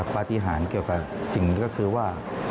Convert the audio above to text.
ปฏิหารเกี่ยวกับสิ่งก็คือว่า